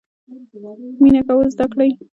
مینه کول زده کړئ